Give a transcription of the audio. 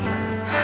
aku belum sempet